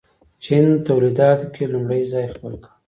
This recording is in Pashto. چین تولیداتو کې لومړی ځای خپل کړ.